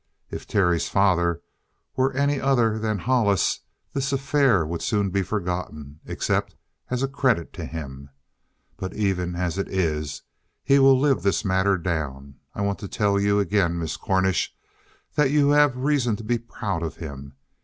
If Terry's father were any other than Hollis, this affair would soon he forgotten, except as a credit to him. But even as it is, he will live this matter down. I want to tell you again, Miss Cornish, that you have reason to be proud of him.